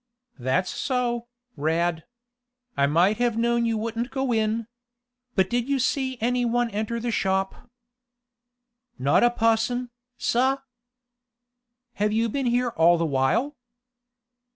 "That's so, Rad. I might have known you wouldn't go in. But did you see any one enter the shop?" "Not a pusson, sab." "Have you been here all the while?"